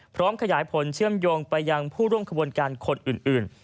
พร้อมขยายผลเชื่อมโยงไปยังผู้ร่วมขบวนการคนอื่น